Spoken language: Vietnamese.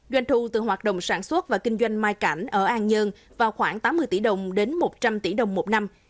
doanh thu từ hoạt động sản xuất và kinh doanh mai cảnh ở an dơn vào khoảng tám mươi tỷ đồng đến một trăm linh tỷ đồng một năm